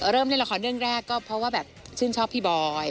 เริ่มเล่นละครเรื่องแรกก็เพราะว่าแบบชื่นชอบพี่บอย